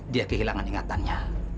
dia kehilangan ingatannya